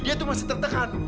dia itu masih tertekan